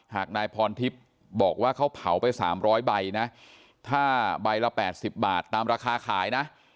นายพรทิพย์บอกว่าเขาเผาไป๓๐๐ใบนะถ้าใบละ๘๐บาทตามราคาขายนะ